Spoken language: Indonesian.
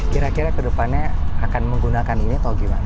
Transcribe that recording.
kira kira ke depannya akan menggunakan ini atau bagaimana